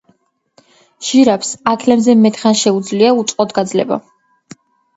ჟირაფს აქლემზე მეტი ხანს შეუძლია უწყლოდ გაძლება